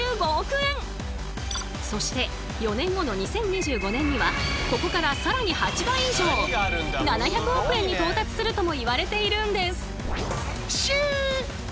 そして４年後の２０２５年にはここから更に８倍以上７００億円に到達するともいわれているんです。